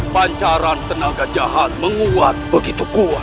pancaran tenaga jahat menguat begitu kuat